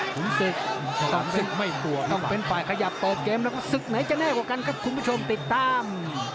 ฝุ่มศึกต้องเป็นฝ่ายขยับโตปเกมแล้วก็ศึกไหนจะแน่กว่ากันครับคุณผู้ชมติดตาม